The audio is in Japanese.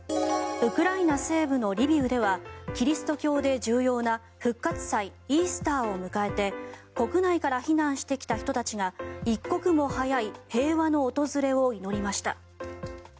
ウクライナ西部のリビウではキリスト教で重要な復活祭、イースターを迎えて国内から避難してきた人たちが一刻も早い平和の訪れを祈りました。